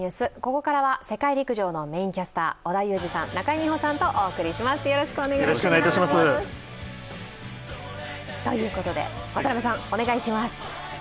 ここからは世界陸上のメインキャスター織田裕二さん、中井美穂さんとお送りします。ということで、渡部さん、お願いします。